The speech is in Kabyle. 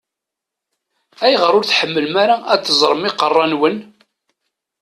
Ayɣer ur tḥemmlem ara ad teṛṛẓem iqeṛṛa-nwen?